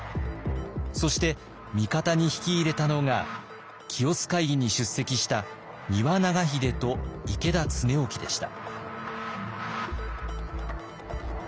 そして味方に引き入れたのが清須会議に出席した丹羽長秀と池田恒興でした。